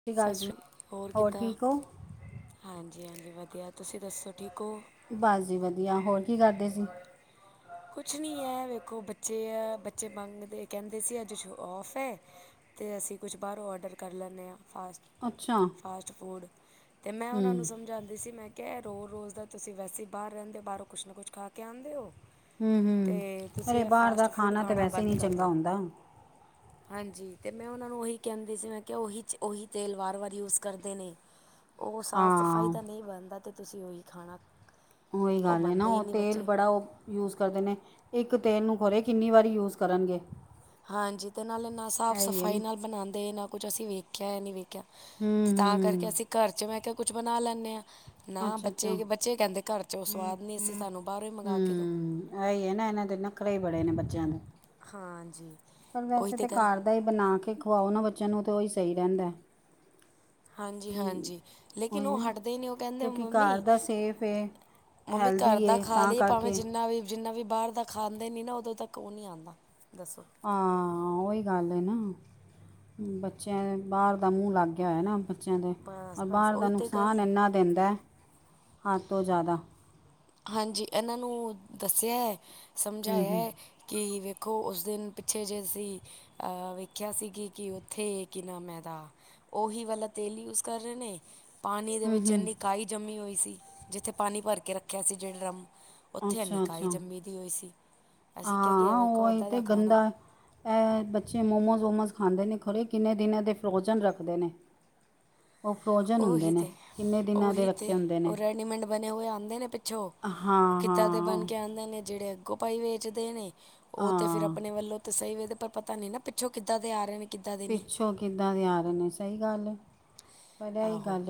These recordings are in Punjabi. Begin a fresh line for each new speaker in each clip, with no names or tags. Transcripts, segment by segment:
ਸਤਿ ਅਕਾਲ
ਸਸ
ਜੀ
ਸ਼੍ਰੀ, ਹੋਰ ਕਿੱਦਾ,
ਠੀਕ ਹੋ
ਹਾਂਜੀ-ਹਾਂਜੀ ਵਧੀਆ ਤੁਸੀਂ ਦੱਸੋ ਠੀਕ ਓ।
ਬੱਸ ਜੀ ਵਧੀਆ ਹੋਰ ਕੀ ਕਰਦੇ ਸੀ
ਕੁਛ ਨੀ ੲੈ ਵੇਖੋ ਬੱਚੇ ਆ ਬੱਚੇ ਮੰਗਦੇ ਕੈੰਦੇ ਸੀ ਅੱਜ ਸ਼ੂ ਅੋਫ ੲੈ। ਤੇ ਅਸੀਂ ਕੁਛ ਬਾਰੋ ਔਡਰ ਕੱਰ ਲੈਣੇ ਆ ਫਾਸਟ
ਅੱਛਾ।
ਫਾਸਟ ਫੂਡ, ਤੇ ਮੈਂ ਓਣਾ
ਹੂੰ
ਨੂੰ ਸਮਝਾਦੀ ਸੀ ਮੈਂ ਕੈ ਰੋ ਰੋਜ਼ ਦਾ ਤੁਸੀ ਵੈਸੇ ਈ ਬਾਰ ਰੈੰਦੇ ਓ ਬਾਰੋ ਕੁਛ ਨਾ ਕੁਛ ਖਾ ਕੇ ਆਂਦੇ ਅੋ
ਹੂੰ
ਤੇ
ਹੂੰ
ਤੁਸੀ
ਅਰੇ
ੲੈ
ਬਾਹਰ ਦਾ
ਫਾਸਟ ਫੂਡ
ਤਾਂ
ਖਾਣਾ
ਵੈਸੇ ਹੀ
ਬੰਦ
ਨਹੀਂ
ਕੱਰ
ਚੰਗਾ
ਦੋ।
ਹੁੰਦਾ
ਹਾਂਜੀ, ਤੇ ਮੈਂ ਓਨਾਂ ਨੂੰ ਓਹੀ ਕੈੰਦੀ ਸੀ ਮੈਂ ਕੇਆ ਓਹੀ ਚ ਓਹੀ ਤੇਲ ਵਾਰ-ਵਾਰ ਯੂਸ ਕਰਦੇ ਨੇ
[inaudible]
ਓ ਸਾਫ਼-ਸਫ਼ਾਈ
ਹਾਂ
ਦਾ ਨੀ ਬਣਦਾ ਤੇ ਤੁਸੀ ਓਈ ਖਾਣਾ
ਓਈ
ਉਹ
ਗੱਲ ਐ ਨਾ
ਮੰਨਦੇ ਹੀ
ਓ
ਨਹੀਂ
ਤੇਲ
ਬੱਚੇ
ਬੜਾ ਓ ਯੂਸ ਕਰਦੇ ਨੇ, ਇੱਕ ਤੇਲ ਨੂੰ ਖੋਰੇ ਕਿੰਨੀ ਵਾਰੀ ਯੂਸ ਕਰਨਗੇ
ਹਾਂਜੀ ਤੇ ਨਾਲ ਨਾ
ਇਹੀ ਹੈ
ਸਾਫ਼-ਸਫ਼ਾਈ
ਨਾ
ਨਾਲ ਬਣਾਦੇ ਨਾ ਕੁਛ ਅਸੀਂ ਵੇਖੇਆ ਨਈ, ਵੇਖੇਆ।
ਹੂੰ।
ਤਾਂ ਕਰਕੇ
ਹੂੰ
ਅਸੀਂ ਘੱਰ ਚ ਮੈ ਕੇਆ ਕੁਛ ਬਣਾ ਲੈਂਣੇ ਆਂ। ਨਾ
ਅੱਛਾ ਅੱਛਾ ਹੂੰ
ਬੱਚੇ, ਬੱਚੇ ਕੈੰਦੇ ਘੱਰ ਚ ਓ ਸਵਾਦ ਨੀ, ਅਸੀਂ ਸਾਨੂੰ ਬਾਰੋ ਈ ਮੰਗਾ ਕੇ ਦੋ।
ਓਈ ਏ ਨਾ ਏਨਾਂ ਦੇ ਨਖਰੇ ਈ ਬੜੇ ਨੇ ਬੱਚੇਆਂ ਦੇ
ਹਾਂਜੀ।
ਪਰ
ਉਹੀ
ਵੈਸੇ
ਤਾਂ
ਤੇ
ਗੱਲ
ਘੱਰ ਦਾ ਈ ਬਣਾ ਕੇ ਖਵਾਓ ਨਾ ਬੱਚੇਆਂ ਨੂੰ ਤਾਂ ਓਈ ਸਈ ਰੈੰਦੈ।
ਹਾਂਜੀ-ਹਾਂਜੀ, ਲੇਕਿਨ ਓ ਹਟਦੇ ਨੀ, ਓ ਕੈੰਦੇ
ਕਿਉਂਕਿ ਘਰ
ਮੰਮੀ
ਦਾ ਸੇਫ ਹੈ
ਮੰਮੀ, ਘੱਰ
ਹੈਲਦੀ
ਦਾ
ਹੈ
ਖਾ
ਤਾਂ
ਲਿਏ ਭਾਵੇਂ
ਕਰਕੇ
ਜਿੰਨਾ ਵੀ ਜਿੰਨਾ ਵੀ ਬਾਰ ਦਾ ਖਾਾਂਦੇ ਨੀ ਨਾ, ਉਦੋਂ ਤੱਕ ਓ ਨੀ ਆਦਾ, ਦੱਸੋ
ਹਾਂ, ਓਈ ਗੱਲ ੲੈ ਨਾ ਬੱਚੇਆਂ ਦੇ ਬਾਰ ਦਾ ਮੂੰ ਲੱਗ ਗੇਆ ਹੋਆ ਨਾ, ਬੱਚੇਆਂ ਦੇ,
ਬਸ
ਔਰ
ਬਸ
ਬਾਰ
ਉਹੀ
ਦਾ
ਤਾਂ ਗੱਲ
ਨੁਕਸਾਨ
ਹੈ
ਏੰਨਾ ਦਿੰਦੈ, ਹੱਦ ਤੋਂ ਜਾਦਾ।
ਹਾਂਜੀ ਏਨਾਂ ਨੂੰ ਦੱਸੇ ਐ
ਹੂੰ ਹੂੰ
ਸਮਝਾੲੈ ਕਿ ਵੇਖੋ ੳਸ ਦਿਨ ਪਿੱਛੇ ਜੇ ਸੀਂ ਅ ਵੇਖੇਆ ਸੀ ਗੀ ਕਿ ਓਥੇ ਕੀ ਨਾਮ ੲੈ ਦਾ ਓਹੀ ਵਾਲਾ ਤੇਲ ਯੂਸ ਕੱਰ ਰੇ ਨੇ ਪਾਣੀ ਦੇ
ਹੂੰ
ਵਿੱਚ ਏੰਨੀ
ਹੂੰ
ਕਾਈ ਜੰਮੀ ਹੋਈ ਸੀ, ਜਿੱਥੇ ਪਾਣੀ ਭੱਰ ਕੇ ਰੱਖੇਆ ਸੀ, ਜੇੜੇ ਡਰਾਮ ਓਥੇ ਐੰਨੀ ਕਾਈ ਜਮੀ ਦੀ ਹੋਈ ਸੀ। ਅਸੀਂ ਕਿਹਾ ਕਿ ਇਹ
ਆਂ
ਵੇਖੋ
ਓਈ
ਇੱਦਾਂ
ਤੇ
ਦਾ ਖਾਣਾ
ਗਦਾ ਐ, ਬੱਚੇ ਮੋਮੋਸ, ਓਮੋਸ ਖਾਂਦੇ ਨੇ ਖੋਰੇ ਕਿੰਨੇ ਦਿਨਾਂ ਦੇ ਫਰੋਜ਼ਨ ਰੱਖਦੇ ਨੇ [inaudible] ਹੁੰਦੇ
ਉਹੀ
ਨੇ
ਤੇ
ਕਿੰਨੇ ਦਿਨਾਂ ਦੇ
ਉਹੀ
ਰੱਖੇ
ਤੇ
ਹੁੰਦੇ
ਉਹ
ਨੇ
ਰੈਡੀਮੈਂਡ ਬਣੇ ਹੋਏ ਆਉਂਦੇ ਨੇ ਪਿੱਛੋਂ
ਹਾਂ
ਕਿੱਦਾਂ ਦੇ ਬਣ
ਹਾਂ
ਕੇ ਆਉਂਦੇ ਨੇ ਜਿਹੜੇ ਅ ਭਾਈ ਵੇਚਦੇ ਨੇ ਉਹ ਤੇ ਫੇਰ
ਹਾਂ
ਆਪਣੇ ਵੱਲੋਂ ਤੇ ਸਹੀ ਵੇਖਦੇ, ਪਰ ਪਤਾ ਨੀ ਨਾ ਪਿੱਛੋਂ ਕਿੱਦਾਂ ਦੇ ਆ ਰਹੇ ਨੇ ਕਿੱਦਾਂ ਦੇ ਨਹੀਂ
ਓਹੋ ਕਿੱਦਾਂ ਦੇ ਆ ਰਹੇ ਨੇ ਸਹੀ ਗੱਲ ਏ ਪਰ ਇਹੀ
ਆਹੋ
ਗੱਲ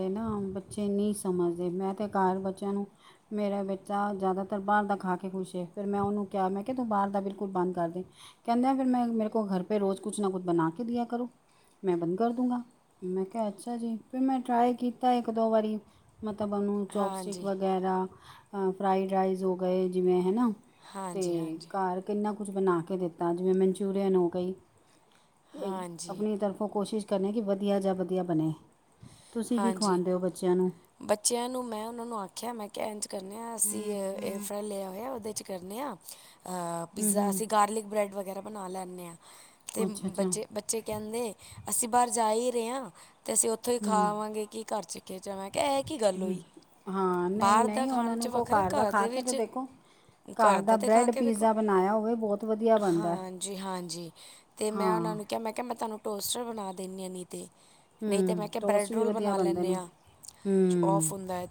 ਬੱਚੇ ਨਹੀਂ ਸਮਝਦੇ ਮੈਂ ਤੇ ਘਰ ਬੱਚਿਆਂ ਨੂੰ ਮੇਰਾ ਬੱਚਾ ਜ਼ਿਆਦਾਤਰ ਬਾਹਰ ਦਾ ਖਾ ਕੇ ਖੁਸ਼ ਏ, ਫਿਰ ਮੈਂ ਉਹਨੂੰ ਕਿਹਾ ਮੈਂ ਕਿ ਤੂੰ ਬਾਹਰ ਦਾ ਬਿਲਕੁਲ ਬੰਦ ਕਰ ਦੇ। ਕਹਿੰਦੇ ਫਿਰ ਮੈਂ ਮੇਰੇ ਕੋ ਘਰ ਪੇ ਰੋਜ਼ ਕੁਛ ਨਾ ਕੁਛ ਬਣਾ ਕੇ ਦਿਆ ਕਰੋ, ਮੈਂ ਬੰਦ ਕਰ ਦੂੰਗਾ। ਮੈਂ ਕਿਹਾ ਅੱਛਾ ਜੀ। ਫਿਰ ਮੈਂ ਟਰਾਈ ਕੀਤਾ ਇੱਕ, ਦੋ ਵਾਰੀ ਮਤਲਬ ਉਹਨੂੰ ਚੋਪਸਟਿਕ
ਹਾਂਜੀ
ਵਗੈਰਾ ਫਰਾਈਡ ਰਾਈਸ ਹੋ ਗਏ ਜਿਵੇਂ ਹੈ ਨਾ ਤੇ
ਹਾਂਜੀ ਹਾਂਜੀ
ਘਰ ਕਿੰਨਾ ਕੁਝ ਬਣਾ ਕੇ ਦਿੱਤਾ ਜਿਵੇਂ ਮਨਚੂਰੀਅਨ ਹੋ ਗਈ ਇਹ
ਹਾਂਜੀ।
ਆਪਣੀ ਤਰਫੋਂ ਕੋਸ਼ਿਸ਼ ਕਰਨੀ ਕਿ ਵਧੀਆ ਜਾਂ ਵਧੀਆ ਬਣੇ, ਤੁਸੀਂ ਕੀ
ਹਾਂਜੀ
ਖਵਾਉਣਦੇ ਹੋ ਬੱਚਿਆਂ ਨੂੰ?
ਬੱਚਿਆਂ ਨੂੰ ਮੈਂ ਉਹਨਾਂ ਨੂੰ ਆਖਿਆ ਮੈਂ ਕ ਇੰਝ ਕਦੇ ਹਾਂ ਅਸੀਂ ਲ ਹੋਇ ਉਹਦੇ
ਹੂੰ
ਪੀਾ ਅਸੀ
ਹੂੰ
ਗ ਬ੍ਰ ਵ [unintelligible] ਬਣਾ ਲੈਂਨੇ ਹਾਂ ਤੇ ਬੱਜੇ
ਅੱਛਾ ਅੱਛਾ
ਬੱਚੇ ਬੱਚੇ ਕਹਿੰਦੇ ਅਸੀਂ ਬਾਹਰ ਜਾ ਹੀ ਰਹੇ ਹਾਂ ਤੇ ਅਸੀਂ ਉੱਥੇ
ਹੂੰ
ਖਾਵਾਂਗੇ ਕੀ ਘਰ 'ਚ ਖੇਚਵਾਂ ਕਿਹਾ ਇਹ ਕੀ ਗੱਲ ਹੋਈ
ਹਾਂ ਨਹੀਂ
ਬਾਹਰ ਦਾ
ਨਹੀਂ ਉਹਨਾਂ
ਖਾਣ 'ਚ
ਨੂੰ
ਵ
ਕੋ ਦਾ
ਘਰ
ਖਾ
ਦੇ
ਕੇ ਤਾਂ
ਵਿੱਚ
ਦੇਖੋ
ਘਰ ਦਾ ਤੇ ਖਾ
ਬ੍ਰੈਡ
ਕੇ ਵੇਖੋ
ਪੀਜ਼ਾ ਬਣਾਇਆ ਹੋਵੇ ਬਹੁਤ ਵਧੀਆ ਬਣਦਾ ਹੈ।
ਹਾਂਜੀ-ਹਾਂਜੀ ਅਤੇ ਮੈਂ
ਹਾਂ
ਉਹਨਾਂ ਨੂੰ ਕਿਹਾ ਮੈਂ ਕਿਹਾ ਮੈਂ ਤੁਹਾਨੂੰ ਟੋਸਟਰ ਬਣਾ ਦਿੰਦੀ ਹ ਨਹੀਂ ਤੇ
ਹਮ
ਬਰੈਡਰੋਲ ਬਣਾ ਲੈਨੇ ਆਂ
ਹੂੰ
ਆਫ ਹੁੰਦਾ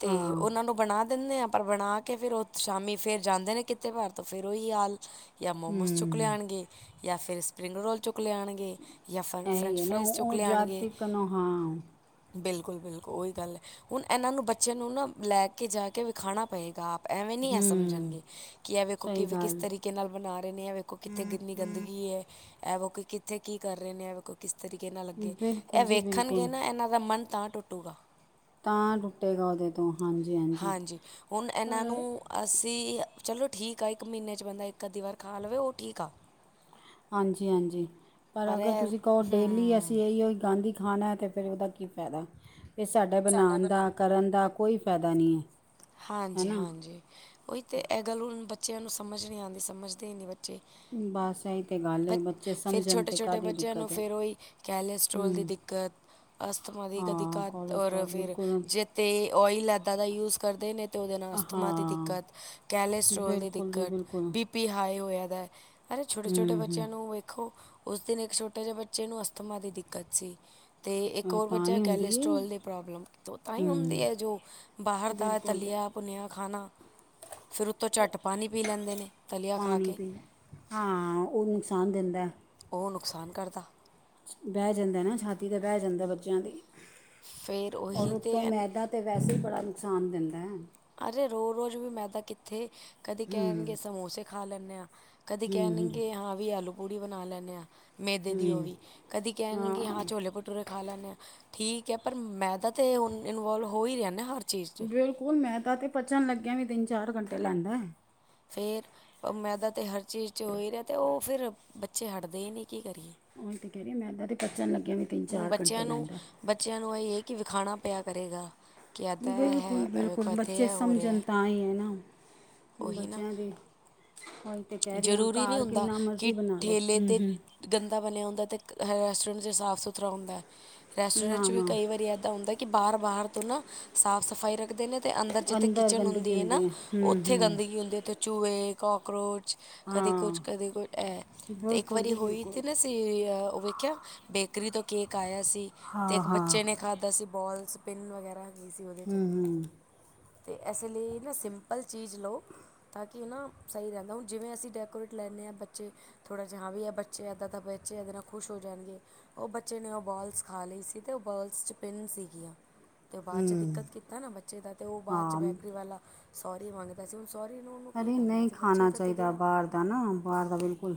ਤੇ
ਹਾਂ
ਉਹਨਾ ਨੂੰ ਬਣਾ ਦਿੰਦੇ ਆ ਪਰ ਬਣਾ ਕੇ ਫਿਰ ਉਹ ਸ਼ਾਮੀ ਫੇਰ ਜਾਂਦੇ ਨੇ ਕਿੱਤੇ ਬਾਹਰ ਤੋਂ ਫੇਰ ਉਹੀ ਹਾਲ ਜਾਂ ਮੋਮੋਸ ਚੁੱਕ
ਹੂੰ
ਲਿਆਣਗੇ ਜਾਂ ਫਿਰ ਸਪਰਿੰਗ ਰੋਲ ਚੁੱਕ ਲਿਆਣਗੇ ਜਾਂ ਫ'
ਇਹੀ
ਫਰੈਂਚ
ਹੈ ਨਾ
ਫਰਾਈਜ਼
ਉਹ
ਚੁੱਕ
ਉਹ
ਲਿਆਣਗੇ
ਜਾਤੀ ਕਨੋ ਹਾਂ
ਬਿਲਕੁਲ-ਬਿਲਕੁਲ ਉਹੀ ਗੱਲ ਹੁਣ ਇਹਨਾਂ ਨੂੰ ਬੱਚਿਆਂ ਨੂੰ ਨਾ ਲੈ ਕੇ ਜਾ ਕੇ ਵਿਖਾਉਣਾ ਪਏਗਾ ਐਵੇਂ ਨੀ ਹੈ
ਹੂੰ
ਸਮਝਣਗੇ, ਕਿ ਇਹ ਵੇਖੋ
ਸਹੀ
ਕਿਵੇਂ ਕਿਸ
ਗੱਲ
ਤਰੀਕੇ ਨਾਲ ਬਣਾ ਰਹੇ ਨੇ ਇਹ ਵੇਖੋ ਇੱਥੇ ਕਿੰਨੀ ਗੰਦਗੀ ਏ ਐ ਵ' ਕੋਈ ਕਿੱਥੇ ਕੀ ਕਰ ਰਹੇ ਨੇ ਕੋ ਕਿਸ ਤਰੀਕੇ ਨਾਲ ਲੱਗੇ
ਬਿਲਕੁਲ
ਇਹ
ਜੀ
ਵੇਖਣਗੇ
ਬਿਲਕੁਲ
ਨਾ ਇਹਨਾਂ ਦਾ ਮਨ ਤਾਂ ਟੁੱਟੂਗਾ
ਤਾਂ ਟੁੱਟੇਗਾ ਉਹਦੇ ਤੋਂ ਹਾਂਜੀ-ਹਾਂਜੀ ਪਰ
ਅੱਸੀ ਚਲੋ ਠੀਕ ਆ ਇੱਕ ਮਹੀਨੇ 'ਚ ਬੰਦਾ ਇੱਕ ਅੱਧੀ ਵਾਰ ਖਾ ਲਵੇ ਉਹ ਠੀਕ ਆ
ਹਾਂਜੀ-ਹਾਂਜੀ ਪਰ ਅਗਰ
ਇਹ
ਤੁਸੀਂ ਕਹੋ ਡੇਲੀ
ਹੂੰ
ਅਸੀਂ ਇਹੀਓ ਹੀ ਗਾਂਧੀ ਖਾਣਾ ਤਾਂ ਫਿਰ ਉਹਦਾ ਕੀ ਫਾਇਦਾ ਫਿਰ ਸਾਡਾ ਬਣਾਉਣ ਦਾ ਕਰਨ ਦਾ ਕੋਈ ਫਾਇਦਾ ਨਹੀਂ ਹੈ ਨਾ
ਜੀ ਉਹੀ ਤਾਂ ਇਹ ਗੱਲ ਹੁਣ ਬੱਚਿਆਂ ਨੂੰ ਸਮਝ ਨਹੀਂ ਆਦੀ ਸਮਝਦੇ ਹੀ ਨਹੀਂ ਬੇ
ਬਸ ਇਹੀ ਤਾਂ ਗੱਲ ਹੈ ਬੱਚੇ
ਫਿਰ
ਸਮਝਣ ਤਾਂ
ਛੋਟੇ-ਛੋਟੇ
ਕਾਹਦੀ
ਬੱਚਿਆਂ ਨੂੰ
ਦਿੱਕਤ ਹੈ
ਫਿਰ ਉਹੀ ਕੈਲੇਸਟਰ੍ਰੋਲ ਦੀ
ਹੂੰ
ਦਿੱਕਤ ਅਸਥਮਾ ਦੇ ਕਦੀ
ਹਾਂ ਕੋਲਸਟ੍ਰੋਲ
ਫਿਰ
ਬਿਲਕੁਲ
ਜੇ ਤੇ ਆਇਲ ਇਦਾਂ ਦਾ ਯੂਜ ਕਰਦੇ ਨੇ ਤਾਂ ਉਹਦੇ ਨਾਲ ਅਸਥਮਾ ਦੀ
ਹਾਂ
ਦਿੱਕਤ ਕੈਲੇਸਟ੍ਰੋਲ ਦੀ
ਬਿਲਕੁਲ ਜੀ
ਦਿੱਕਤ
ਬਿਲਕੁਲ
ਬੀ ਪੀ ਹਾਏ ਹੋਇਆਦਾਾ ਅਰੇ ਛੋਟੇ-ਛੋਟੇ
ਹੂੰ ਹੂੰ
ਬੱਚਿਆਂ ਨੂੰ ਵੇਖੋ ਉਸ ਦਿਨ ਇੱਕ ਛੋਟਾ ਜਿਹੇ ਬੱਚੇ ਨੂੰ ਅਸਥਮਾ ਦੀ ਦਿੱਕਤ ਸੀ। ਅਤੇ ਇੱਕ
ਅਹ
ਹੋਰ
ਤਾਂ
ਬੱਚਾ
ਹੀ ਹੁੰਦੀ ਹੈ
ਕੈਲਸਟਰ੍ਰੋਲ ਦੇ ਪ੍ਰੋਬਲਮ ਤਾਂ ਹੀ ਹੁੰਦੀ
ਹੂੰ
ਐ ਜੋ ਬਾਹਰ ਦਾ
ਬਿਲਕੁਲ
ਤਲਿਆ ਭੁੰਨਿਆ ਖਾਣਾ ਫਿਰ ਉੱਤੋਂ ਝੱਟ ਪਾਨੀ ਪੀ ਲੈਂਦੇ ਨੇ ਤਲੀਆ ਖਾ
ਪਾਣੀ
ਕੇ।
ਪੀ ਹਾਂ ਉਹ ਨੁਕਸਾਨ ਦਿੰਦਾ।
ਔ ਨੁਕਸਾਨ ਕਰਦਾ।
ਬੈ ਜਾਂਦਾ ਨਾ ਛਾਤੀ ਤੇ ਬੈ ਜਾਂਦਾ ਬੱਚਿਆਂ ਦੀ
ਫਿਰ
ਔਰ
ਉਹੀ ਤਾਂ
ਉੱਤੋਂ
ਐਨ
ਮੈਦਾ ਤੇ ਵੈਸੇ ਹੀ ਬੜਾ ਨੁਕਸਾਨ ਦਿੰਦੈ।
ਅਰੇ ਰੋਜ਼-ਰੋਜ਼ ਵੀ ਮੇਦਾ ਕਿੱਥੇ ਕਦੇ
ਹੂੰ
ਕਹਿਣਗੇ ਸਮੋਸੇ ਖਾ ਲੈਨੇ ਆ। ਕਦੀ
ਹੂੰ
ਕਹਿਣਗੇ ਹਾਂ ਵੀ ਆਲੂ ਪੂੜੀ ਬਣਾ ਲੈਨੇ ਆ। ਮੈਦੇ ਦੀ ਉਹ
ਹੂੰ
ਵੀ ਕਦੀ ਕਹਿਣਗੇ ਹਾਂ ਛੋਲੇ ਭ ਠੂਰੇ ਖਾ ਲੈਨੇ ਆ ਠੀਕ ਐ ਪਰ ਮੈਂ ਤਾਂ ਤੇ ਹੁਣ ਇਨਵੋਲਵ ਹੋ ਹੀ ਰਿਆ ਨਾ ਹਰ ਚੀਜ਼ 'ਚ
ਬਿਲਕੁਲ ਮੇਦਾ ਤਾਂ ਪਚਨ ਲੱਗਿਆ ਵੀ ਤਿੰਨ-ਚਾਰ ਘੰਟੇ ਲੈਦਾ।
ਫੇਰ ਮੈਦਾ ਤਾਂ ਹਰ ਚੀਜ਼ ਚ ਹੋ ਹੀ ਰਿਹਾ ਤੇ ਉਹ ਫੇਰ ਬੱਚੇ ਹਟਦੇ ਈ ਨੀ ਕੀ ਕਰੀਏ।
ਉਈ ਤੇ ਕਹਿ ਰਹੀ ਮੈਂਦਾਂ ਤੇ ਪਚਣ ਲੱਗਿਆ ਵੀ ਤਿੰਨ
ਹੁਣ
ਚਾਰ
ਬੱਚਿਆਂ
ਘੰਟੇ
ਨੂੰ
ਲੈਂਦਾ
ਬੱਚਿਆਂ ਨੂੰ ਏ ਇਹ ਐ ਕਿ ਵਿਖਾਣਾ ਪਿਆ ਕਰੇਗਾ। ਕਿ ਇੱਦਾਂ ਇਹ ਹੈ ਵੇਖੋ
ਬਿਲਕੁਲ-ਬਿਲਕੁਲ
ਇੱਥੇ
ਬੱਚੇ
ਇਹ ਹੋ ਰਿਹਾ
ਸਮਝਣ
ਹੈ।
ਤਾਂ ਈ ਏ ਨਾ।
ਉਹੀ ਨਾ
ਬੱਚਿਆਂ ਦੀ ਔਈ ਤੇ ਕੇ ਰੀ ਆ
ਜ਼ਰੂਰੀ ਨਹੀਂ
ਕਾਰ
ਹੁੰਦਾ
ਕਿੰਨਾ
ਕਿ
ਮਰਜ਼ੀ ਬਣਾ ਲੋ,
ਠੇਲੇ 'ਤੇ
ਹੂੰ-ਹੂੰ।
ਗੰਦਾ ਬਣਿਆ ਹੁੰਦਾ ਤੇ ਹਰ ਰੈਸਟੋਰੈਂਟ ਚ ਸਾਫ ਸੁਥਰਾ ਹੁੰਦਾ। ਰੈਸਟੋਰੈਂਟ
ਨਾ
ਚ ਵੀ
ਨਾ
ਕਈ ਵਾਰੀ ਇੱਦਾਂ ਹੁੰਦਾ ਕਿ ਬਾਹਰ-ਬਾਹਰ ਤੋਂ ਨਾ ਸਾਫ਼ ਸਫ਼ਾਈ ਰੱਖਦੇ ਨੇ ਤੇ ਅੰਦਰ ਜਿੱਥੇ ਕਿਚਨ ਹੁੰਦੀ
ਗੰਦਗੀ
ਏ ਨਾ
ਹੈ ਹੂੰ
ਉੱਥੇ
ਹੂੰ
ਗੰਦਗੀ ਹੁੰਦੀ ਉਥੇ ਚੁਏ, ਕਾਕਰੋਚ ਕਦੇ ਕੁਛ,
ਹਾਂ
ਕਦੇ ਕੁਛ ਐ ਤੇ ਇੱਕ
ਬਿਲਕੁਲ
ਵਾਰੀ
ਜੀ
ਹੋਈ
ਬਿਲਕੁਲ
ਤੇ ਨਾ ਸੀ ਉਹ ਵੇਖਿਆ ਬੇਕਰੀ ਤੋਂ ਕੇਕ ਆਯਾ ਸੀ ਤੇ
ਹਾਂ
ਇੱਕ
ਹਾਂ
ਬੱਚੇ ਨੇ ਖਾਧਾ ਸੀ ਬੋਲਸ ਪਿੰਨ ਵਗੈਰਾ ਹੈਗੀ ਸੀ ਉਦੇ ਚ।
ਹੂੰ
ਤੇ ਏਸ ਲਈ ਨਾ ਸਿੰਪਲ ਚੀਜ਼ ਲੋ ਤਾਂ ਕਿ ਨਾ ਸਈ ਰਹਿੰਦਾ ਹੁੰ ਜਿਵੇਂ ਅਸੀਂ ਡੈਕੋਰੇਟ ਲੈਨੇ ਆ ਬੱਚੇ ਥੋੜ੍ਹਾ ਜਾ ਹਾਂ ਵੀ ਐ ਬੱਚੇ ਏਦਾਂ-ਏਂਦਾ ਬੱਚੇ ਏਦੇ ਨਾਲ ਖੁਸ਼ ਹੋ ਜਾਣਗੇ। ਉਹ ਬੱਚੇ ਨੇ ਉਹ ਬੋਲਸ ਖਾ ਲੀ ਸੀ ਤੇ ਉਹ ਬੋਲਸ ਚ ਪਿੰਨ ਸੀਗੀਆਂ। ਤੇ ਬਾਦ ਚ
ਹੂੰ
ਦਿੱਕਤ ਕੀਤਾ ਨਾ ਬੱਚੇ ਦਾ ਤੇ ਓ ਬਾਦ ਚ
ਹਾਂ
ਬੈਕਰੀ ਵਾਲਾ ਸੋਰੀ ਮੰਗ ਵੈਸੇ ਹੁਣ ਸੋਰੀ ਨੂੰ ਉਹਨੂੰ ਕੀ ਕਰਨਾ ਬੱਚੇ ਦਾ ਤਾਂ ਗਿਆ
ਬਾਰ ਦਾ ਨਾ ਬਾਰ ਦਾ ਬਿਲਕੁਲ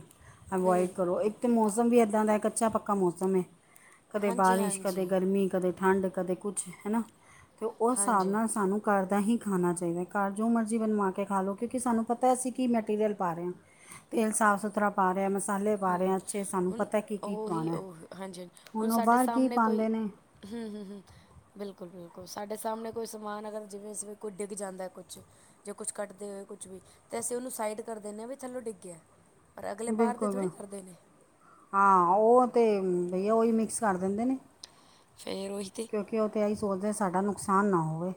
ਅਵੋਇਡ
ਬਿਲਕੁਲ
ਕਰੋ ਇੱਕ
ਬਿਲਕੁਲ
ਮੌਸਮ ਵੀ ਇੱਦਾਂ ਦਾ ਕੱਚਾ ਪੱਕਾ ਮੌਸਮ ਐ ਕਦੇ
ਹਾਂਜੀ
ਬਾਰਿਸ਼ ਕਦੇ
ਹਾਂਜੀ
ਗਰਮੀ ਕਦੇ ਠੰਡ ਕਦੇ ਕੁਛ ਹਨਾ ਤੇ ਉਸ ਸਾਬ
ਹਾਂਜੀ
ਨਾਲ ਸਾਨੂੰ ਕਰ ਦਾ ਹੀ ਖਾਣਾ ਚਾਈਦਾ ਕਰ ਜੋ ਮਰਜ਼ੀ ਬਣਵਾ ਕੇ ਖਾ ਲੋ। ਕਿਉਂਕਿ ਸਾਨੂੰ ਪਤਾ ਅਸੀਂ ਕੀ ਮਟੀਰੀਅਲ ਪਾ ਰੇ ਆ ਤੇਲ ਸਾਫ਼ ਸੁਥਰਾ ਪਾ ਰੇ ਆ ਮਸ ਸਾਲੇ ਪਾ ਰੇ
ਹੂੰ,
ਆ ਅਛੇ ਸਾਨੂੰ
ਹੁਣ
ਪਤਾ ਕੀ-ਕੀ
ਉਹੀ
ਪਾਣਾ
ਉਹ ਹਾਂਜੀ ਹਾਂਜੀ
ਹੁਣ ਉਹ ਬਾਰ ਕੀ-ਕੀ ਪਾਂਦੇ ਨੇ।
ਹੂੰ-ਹੂੰ, ਹੂੰ। ਬਿਲਕੁਲ-ਬਿਲਕੁਲ ਸਾਡੇ ਸਾਮਣੇ ਕੋਈ ਸਮਾਨ ਅਗਰ ਜਿਵੇਂ ਇਸਵੇਂ ਕੋਈ ਡਿੱਗ ਜਾਂਦਾ ਕੁਛ ਜੇ ਕੁਛ ਕੱਟਦੇ ਹੋਏ ਕੁਛ ਵੀ ਤੇ ਅਸੀਂ ਉਹਨੂੰ ਸਾਈਡ ਕਰ ਦਿੰਦੇ ਹਾਂ ਵੀ ਚਲੋ ਡਿੱਗਿਆ ਪਰ ਅਗਲੇ ਬਾਰ ਦੇ ਥੋੜ੍ਹੀ
ਬਿਲਕੁਲ
ਕਰਦੇ ਨੇ
ਹਾਂ ਉਹ ਤੇ ਬਈਆ ਉਹੀ ਮਿਕਸ ਕਰ ਦਿੰਦੇ ਨੇ।
ਫੇਰ ਔਹੀ ਤੇ।
ਕਿਉਂਕਿ ਉਹ ਤੇ ਐਈ ਸੋਚਦੇ ਸਾਡਾ ਨੁਕਸਾਨ ਨਾ ਹੋਵੇ।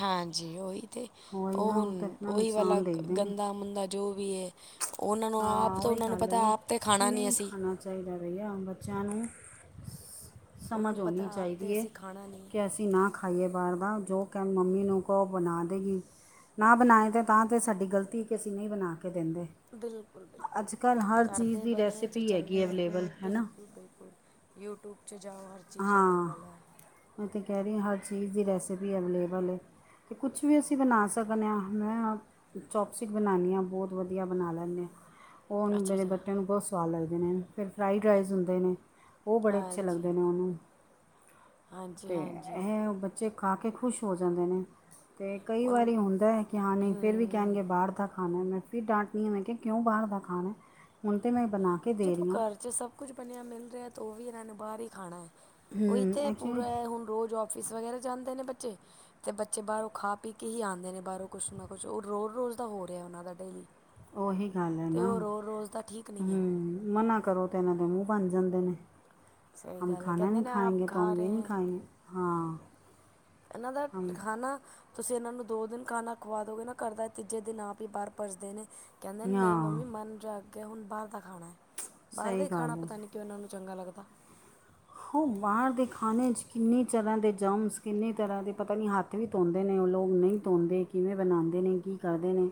ਹਾਂਜੀ ਉਈ ਤੇ
ਉਹੀ
ਉਹ
ਨਾ
ਹੁਨ
ਤਾਂ ਆਪਣਾ
ਉਈ ਵਾਲਾ
ਨੁਕਸਾਨ ਦੇਖਦੇ ਨੇ
ਗੰਦਾ ਮੰਦਾ ਜੋ ਵੀ ਏ ਉਹਨਾਂ ਨੂੰ
ਹਾਂ
ਆਪ ਤਾਂ ਉਹਨਾਂ ਨੂੰ ਪਤਾ ਆਪ ਤੇ ਖਾਣਾ ਨੀ ਅਸੀਂ।
ਚਾਈਦਾ ਭਈਆ ਹੁਨ ਬੱਚਿਆਂ ਨੂੰ
ਉਹਨਾਂ
ਸਮਝ
ਨੂੰ ਪਤਾ
ਹੋਣੀ
ਆਪ
ਚਾਈਦੀ
ਤਾਂ
ਏ
ਅਸੀਂ ਖਾਣਾ ਨਹੀਂ
ਕਿ ਅਸ ਸੀਂ ਨਾ ਖਾਈਏ ਬਾਰ ਦਾ ਜੋ ਕਹਿ ਮੰਮੀ ਨੂੰ ਕੋ ਬਨਾ ਦੇਗੀ। ਨਾ ਬਨਾਏ ਤਾਂ ਤੇ ਸਾਡੀ ਗਲਤੀ ਕਿ ਅਸੀਂ ਨੀ ਬਨਾ ਕੇ ਦਿੰਦੇ।
ਬਿਲਕੁਲ-ਬਿਲਕੁਲ
ਅੱਜ ਕੱਲ੍ਹ ਹਰ
ਕਰ
ਚੀਜ਼
ਦੇ
ਦੀ
ਬਣੇ ਐ ਤੇ
ਰੈਸਿਪੀ ਹੈਗੀ
ਚੰਗੀ
ਅਵੇਲੇਬਲ ਹੈ ਨਾ
ਬਿਲਕੁਲ-ਬਿਲਕੁਲ। ਯੂਟੂਬ 'ਚ ਜਾਓ ਹਰਜ
ਹਾਂ ਓਈ ਤੇ ਕੈ ਰਈ ਆਂ ਹਰ ਚੀਜ਼ ਦੀ ਰੈਸਪੀ ਅਵੇਲੇਬਲ ਏ। ਤੇ ਕੁਛ ਵੀ ਅਸੀਂ ਬਨਾ ਸਗਨੇ ਆਂ ਹੁਨੇ ਨਾਲ ਚੌਪਸਟਿਕ ਬਣਾਨੀ ਆਂ, ਬੋਤ ਵਦੀਆ ਬਨਾ ਲੈਨੇ ਆਂ। ਓਹ
ਅੱਛਾ
ਮੇਰੇ
ਅੱਛਾ
ਬੇਟੇ ਨੂੰ ਬੋਤ ਸਵਾਦ ਲੱਗਦੇ ਨੇ, ਫਿਰ ਫਰਾਈਡ ਰਾਈਸ ਹੁੰਦੇ ਨੇ, ਓਹ ਬੜੇ ਅੱਛੇ ਲੱਗਦੇ ਨੇ।
ਹਾਂਜੀ
ਓਨੂੰ
ਹਾਂਜੀ
ਤੇ
ਹਾਂਜੀ
ਐਹ ਬੱਚੇ ਬੱਚੇ ਖਾ ਕੇ ਖੁਸ਼ ਹੋ ਜਾਂਦੇ ਨੇ ਤੇ ਕਈ
ਹੁਣ
ਵਾਰੀ ਹੁੰਦਾ ਐ ਕਿ ਹਾਂ ਨਈ ਫਿਰ ਵੀ
ਹੂੰ
ਕੈਣਗੇ ਬਾਰ ਦਾ। ਖਾਨਾ, ਮੈਂ ਫਿਰ ਡਾਂਟਨੀ ਆਂ, ਮੈ ਕਿਉਂ ਬਾਹਰ ਦਾ ਖਾਨਾ ਹੁਨ ਤਾਂ ਮੈਂ ਬਨਾਕੇ
ਜਦੋਂ ਘਰ ਚ ਸਭ ਕੁਝ ਬਣਿਆ ਮਿਲ ਰਿਆ ਤਾਂ ਉਹ ਵੀ ਇਹਨਾਂ ਨੂੰ ਬਾਹਰ ਹੀ ਖਾਣਾ ਹੈ। ਓਈ ਤੇ
ਐਕਚੁਲੀ
ਪੂਰਾ ਹੁਨ ਰੋਜ ਆਫਿਸ ਵਗੈਰਾ ਜਾਂਦੇ ਨੇ, ਬੱਚੇ ਤੇ ਬੱਚੇ ਬਾਰੋਂ ਖਾ ਪੀ ਕੇ ਹੀ ਆਂਦੇ ਨੇ ਬਾਰੋਂ ਕੁਛ ਨਾ ਕੁਛ ਓਹ ਰੋ ਰੋਜ਼ ਦਾ ਹੋ ਰੇਹਾ ਓਹਨਾਂ ਦਾ ਡੇਲੀ।
ਓਹੀ ਗੱਲ ਐ
ਅਤੇ
ਨਾ
ਉਹ ਰੋਜ਼ ਰੋਜ਼ ਦਾ ਠੀਕ ਨਹੀਂ ਆ
ਹੁੰ ਮਨਾ ਕਰੋ ਤੇ ਐਨਾ ਦੇ ਮੂੰਹ ਬਨ ਜਾਂਦੇ ਨੇ,
ਸਹੀ
ਹਮ
ਗੱਲ ਹੈ
ਖਾਨਾ
ਕਹਿੰਦੇ
ਨੀ
ਨੇ ਆਪ
ਖਾਏਂਗੇ ਤੋ ਹਮ
ਖਾ
ਯੇ
ਰਹੇ
ਨੀ ਖਾਏਂਗੇ। ਹਾਂ।
ਐਹਨਾਂ ਦਾ ਖਾਨਾ ਤੁਸੀਂ ਐਹਨਾਂ ਨੂੰ ਦੋ ਦਿਨ ਖਾਨਾ ਖਵਾ ਦੋਗੇ ਨਾ ਘਰ ਦਾ, ਤੀਜੇ ਦਿਨ ਆਪ ਈ ਬਾਰ ਭੱਜਦੇ ਨੇ। ਕੈਂਦੇ ਨਈ
ਹਾਂ
ਮੰਮੀ ਮਨ ਜਾ ਅੱਕ ਗਯਾ ਹੁਨ ਬਾਰ ਦਾ ਖਾਨਾ। ਬਾਰ ਦਾ
ਸਹੀ
ਈ
ਗੱਲ
ਖਾਨਾ
ਹੈ
ਪਤਾ ਨੀ ਕਿਯੋਂ ਐਹਨਾਂ ਨੂੰ ਚੰਗਾ ਲੱਗਦਾ।
ਓਹ ਬਾਰ ਦੇ ਖਾਨੇ 'ਚ ਕਿੰਨੀ ਤਰ੍ਹਾਂ ਦੇ ਜਮਸ ਕਿੰਨੇ ਤਰ੍ਹਾਂ ਦੇ ਪਤਾ ਨੀ ਹੱਥ ਹੱਥ ਵੀ ਧੋਂਦੇ ਨੇ ਓਹ ਲੋਕ ਨਈ ਤੋਂਦੇ, ਕਿਵੇਂ ਬਣਾਂਦੇ ਨੇ ਕੀ ਕਰਦੇ ਨੇ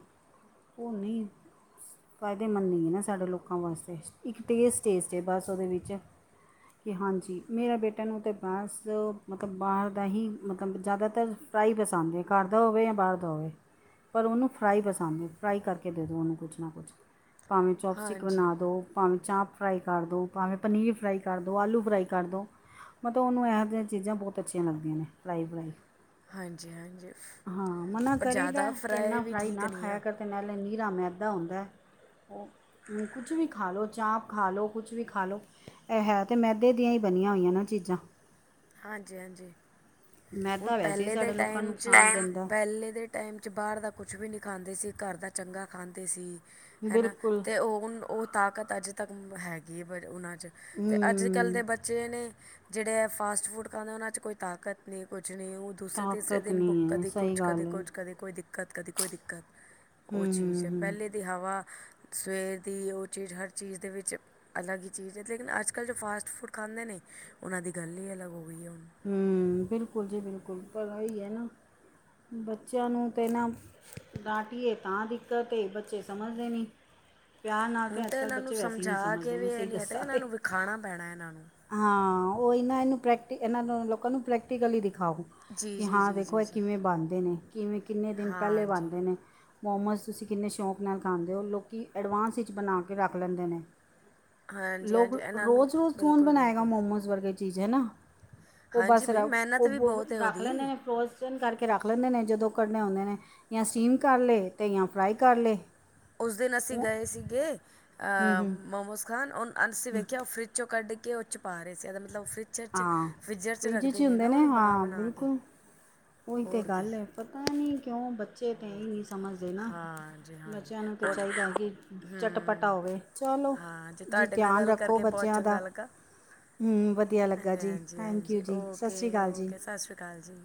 ਹੂਨੀ ਫਾਇਦੇਮੰਦ ਨਈ ਐ ਸਾਡੇ ਲੋਕਾਂ ਵਾਸਤੇ। ਇੱਕ ਟੇਸਟ-ਟੇਸਟ ਏ ਬਸ ਓਹਦੇ ਵਿੱਚ ਕਿ ਹਾਂਜੀ ਜੀ ਮੇਰਾ ਬੇਟੇ ਨੂੰ ਤੇ ਬੱਸ ਮਤਲਬ ਬਾਰ ਦਾ ਹੀ ਮਤਲਬ ਜਿਆਦਾਤਰ ਫਰਾਈ ਪਸੰਦ ਏ ਘਰ ਦਾ ਹੋਵੇ ਯਾ ਬਾਹਰ ਦਾ ਹੋਵੇ। ਪਰ ਓਨੂੰ ਫਰਾਈ ਪਸੰਦ ਏ। ਫਰਾਈ ਕਰਕੇ ਦੇ ਦੋ ਓਨੂੰ ਕੁਛ ਨਾ ਕੁਛ। ਭਾਵੇਂ ਚੌਪਸਟਿਕ
ਹਾਂਜੀ
ਬਨਾ ਦੋ ਭਾਵੇਂ ਚਾਂਪ ਫਰਾਈ ਕਰ ਦੋ ਭਾਵੇਂ ਪਨੀਰ ਫਰਾਈ ਕਰ ਦੋ ਆਲੂ ਫਰਾਈ ਕਰ ਦੋ ਮਤਲਬ ਓਨੂੰ ਐ ਤੇ ਚੀਜਾਂ ਬੋਤ ਅੱਛੀਆਂ ਲੱਗਦੀਆਂ ਨੇ ਫਰਾਈ-ਫਰਾਈ।
ਹਾਂਜੀ ਹਾਂਜੀ
ਹਾਂ, ਮਨਾ
ਪਰ
ਕਰੀਦੈ
ਜ਼ਿਆਦਾ
ਕਿ ਐਨਾਂ
ਵੀ
ਫਰਾਈ
ਠੀਕ
ਨਾ
ਨਹੀਂ
ਖਾਇਆ
ਆ
ਕਰ ਤੇ ਨਾਲੇ ਨੀਰਾ ਮੈਦਾ ਹੁੰਦੈ ਉਂ ਕੁਛ ਵੀ ਖਾ ਲੋ ਚਾਂਪ ਖਾ ਲੋ ਕੁਛ ਵੀ ਖਾ ਲੋ ਐਹ ਹੈ ਤੇ ਮੈਦੇ ਦੀਆਂ ਈ ਬਨੀਆਂ ਹੋਈਆਂ ਨਾ ਚੀਜਾਂ।
ਹਾਂਜੀ-ਹਾਂਜੀ, ਹੁਨ
ਮੈਦਾ ਵੈਸੇ ਹੀ
ਪੈਲੇ ਦੇ
ਸਾਡੇ ਲੋਕਾਂ ਨੂੰ
ਟਾਈਮ 'ਚ
ਨੁਕਸਾਨ ਦਿੰਦਾ ਹੈ।
ਪੈਲੇ ਦੇ ਟਾਈਮ 'ਚ ਬਾਹਰ ਦਾ ਕੁਛ ਵੀ ਨੀ ਖਾਂਦੇ ਸੀ ਘਰ ਦਾ ਚੰਗਾ ਖਾਂਦੇ ਸੀ। ਹੈਨਾ
ਬਿਲਕੁਲ
ਤੇ ਓਹ ਹੁਨ ਓਹ ਤਾਕਤ ਅਜੇ ਤੱਕ ਹੈਗੀ ਏ ਬ ਉਹਨਾਂ ਚ ਤੇ ਅੱਜ ਕੱਲ ਦੇ
ਹੂੰ
ਬੱਚੇ ਨੇ ਜਿਹੜੇ ਐ ਫਾਸਟ ਫੂਡ ਖਾਂਦੇ ਨੇ ਓਹਨਾਂ ਚ ਕੋਈ ਤਾਕਤ ਨਈ ਏ ਕੁਛ ਨਈ ਏ ਦੂਸਰੇ ਤੀਸਰੇ
ਤਾਕਤ
ਦਿਨ ਬੁ
ਨਹੀਂ ਹੈ
ਕਦੇ
ਸਹੀ
ਕੁਛ ਕਦੇ
ਗੱਲ ਹੈ
ਕੁਛ ਕਦੇ ਕੋਈ ਦਿਕ ਕਤ ਕਦੇ ਕੋਈ ਦਿੱਕਤ
ਹੂੰ
ਓਹ ਚੀਜ
ਹੂੰ
ਏ।
ਹੂੰ
ਪਹਲੇ ਦੀ ਹਵਾ ਸਵੇਰ ਦੀ ਓਹ ਚੀਜ ਹਰ ਚੀਜ ਦੇ ਵਿੱਚ ਅਲੱਗ ਈ ਚੀਜ ਏ। ਦੇਖਨਾ ਅੱਜ ਕੱਲ ਜੋ ਫਾਸਟ ਫੂਡ ਖਾਂਦੇ ਨੇ ਓਹਨਾਂ ਦੀ ਗੱਲ ਈ ਅਲੱਗ ਹੋ ਗਈ ਏ ਹੁਨ।
ਹੂੰ, ਬਿਲਕੁਲ ਜੀ ਬਿਲਕੁਲ, ਪਰ ਓ ਈ ਏ ਨਾ ਬੱਚਿਆਂ ਨੂੰ ਤੇ ਨਾ ਡਾਂਟੀਏ ਤਾਂ ਦਿੱਕਤ ਏ। ਬੱਚੇ ਸਮਝਦੇ ਨੀ ਪਯਾਰ ਨਾਲ ਤੇ
ਹੁਣ
ਅੱਜ
ਤਾਂ
ਕੱਲ
ਇਹਨਾਂ ਨੂੰ
ਬੱਚੇ ਵੈਸੇ ਈ ਨਈ
ਸਮਝਾ
ਸਮਝਦੇ
ਕੇ ਵੀ
ਮੈਂ
ਇਹ
ਸਈ
ਨਹੀਂ ਹਟੇ
ਦੱਸਾਂ ਤੇ
ਇਹਨਾਂ ਨੂੰ ਵਿਖਾਣਾ ਪੈਣਾ ਇਹਨਾਂ ਨੂੰ
ਹਾਂ ਓਹ ਈ ਨਾ, ਇਹਨੂੰ ਪ੍ਰੈਕਟੀ ਐਨਾਂ ਨੂੰ ਲੋਕਾਂ ਨੂੰ ਪ੍ਰੈਕਟੀਕਲੀ ਈ ਦਿਖਾਓ
ਜੀ
ਕਿ
ਜੀ
ਹਾਂ
ਜੀ
ਦੇਖੋ
ਜੀ
ਐ
ਜੀ
ਕਿਵੇ ਬਾਨਦੇ ਨੇ ਕਿਵੇ ਕਿੰਨੇ ਦਿਨ ਪੈਲੇ
ਹਾਂਜੀ
ਬਾਨਦੇ ਨੇ ਮੋਮੋਸ ਤੁਸੀ ਕਿੰਨੇ ਸ਼ੌਕ ਨਾਲ ਖਾਂਦੇ ਓ ਲੋਕੀ ਐਡਵਾਂਸ ਇਚ ਬਨਾ ਕੇ ਰਾੱਕ ਲੈਂਦੇ ਨੇ।
ਹਾਂਜੀ
ਲੋਕ
ਹਾਂਜੀ ਇਹਨਾਂ ਨੂੰ
ਰੋਜ-ਰੋਜ ਕੌਨ
ਬਿਲਕੁਲ
ਬਨਾਏਗਾ
ਬਿਲਕੁਲ
ਮੋਮੋਜ਼ ਵਰਗੇ ਚੀਜ ਐਨਾ। ਓ
ਹਾਂਜੀ
ਬਾੱਸ ਰ
ਬਈ ਮਿਹਨਤ
ਓ
ਵੀ ਬਹੁਤ ਹੈ
ਰੱਖ ਲੈਂਦੇ
ਉਹਦੀ
ਨੇ ਫਰੋਜ਼ ਜਨ ਕਾਰਕੇ ਰੱਖ ਲੈਂਦੇ ਨੇ ਜਦੋ ਕੱਢਨੇ ਓਂਦੇ ਨੇ ਯਾ ਸਟੀਮ ਕਾਰ ਲੇ ਤੇ ਯਾ ਫਰਾਈ ਕਾਰ ਲੇ।
ਉਸ ਦਿਨ ਅਸੀ ਗਏ ਸੀਗੇ
ਹੂੰ
ਅ
ਹੂੰ
ਮੋਮੋਸ ਖਾਨ ਓਨ ਅਸੀ ਵੇਖਯਾ ਓ ਫਰਿੱਜ ਚੋ ਕੱਢ ਕੇ ਓਚ ਪਾ ਰੇ ਸੀ ਐਦਾ ਮਤਲਬ ਓ ਫਰਿੱਜਰ ਚ
ਹਾਂ
ਫਿਜੱਰ ਚ
ਫਰਿੱਜ
ਰੱਖਦੇ
ਹੀ
ਨੇ ਨਾ ਓਨੂੰ ਬਨਾ-ਬਨਾ ਕੇ।
ਓਈ ਤੇ
ਹੋਰ ਕੀ
ਗਾੱਲ ਏ ਪਤਾ ਨੀ ਕਯੋ ਬੱਚੇ ਤੇ
ਹੋਰ
ਇਹ ਨੀ
ਕੀ
ਸਮਝਦੇ ਨਾ,
ਹਾਂਜੀ ਹਾਂਜੀ
ਬੱਚੇਆਂ ਨੂੰ
ਹੋਰ
ਚਾਈਦਾ ਕਿ ਚਟਪਟਾ
ਹੂੰ
ਓਵੇ ਚਲੋ,
ਹਾਂ
ਜੀ
ਤੁਹਾਡੇ ਨਾਲ
ਤਯਾਨ
ਗੱਲ
ਰੱਖੋ
ਕਰਕੇ ਬਹੁਤ
ਬੱਚੇਆਂ ਦਾ।
ਚੰਗਾ ਲੱਗਾ
ਹੂੰ ਵਦੀਆ ਲੱਗਾ
ਹਾਂਜੀ
ਜੀ
ਹਾਂਜੀ
ਥੈਂਕ ਯੂ
ਹਾਂਜੀ
ਜੀ ਸਾਸ਼੍ਰੀ
ਓਕੇ
ਕਾਲ ਜੀ।
ਓਕੇ ਸਤਿ ਸ਼੍ਰੀ ਅਕਾਲ ਜੀ